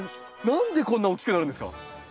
何でこんな大きくなるんですか？